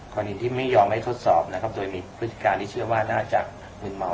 กรณีที่ไม่ยอมให้ทดสอบนะครับโดยมีพฤติการที่เชื่อว่าน่าจะมืนเมา